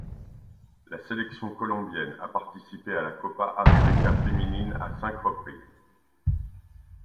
La sélection colombienne a participé à la Copa América féminine à cinq reprises.